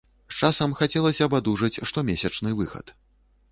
З часам хацелася б адужаць штомесячны выхад.